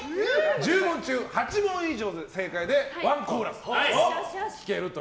１０問中８問以上正解でワンコーラス聴けると。